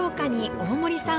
大森さん